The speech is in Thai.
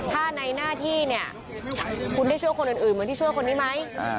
ถ้าในหน้าที่เนี่ยคุณได้ช่วยคนอื่นเหมือนที่ช่วยคนนี้ไหม